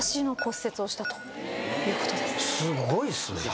すごいっすね。